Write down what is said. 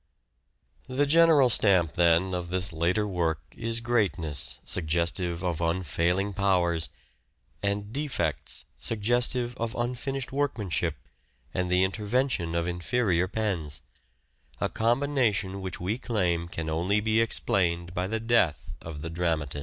The general stamp, then, of this later work is great ness, suggestive of unfailing powers ; and defects 414 "SHAKESPEARE" IDENTIFIED suggestive of unfinished workmanship and the inter vention of inferior pens : a combination which we claim can only be explained by the death of the dramatist.